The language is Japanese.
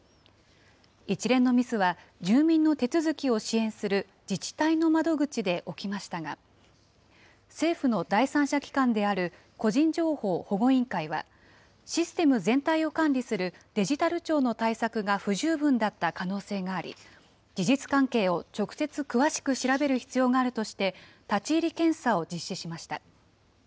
一連のミスは、住民の手続きを支援する自治体の窓口で起きましたが、政府の第三者機関である個人情報保護委員会は、システム全体を管理するデジタル庁の対策が不十分だった可能性があり、事実関係を直接詳しく調べる必要があるとして、立ち入り検査を実施しました。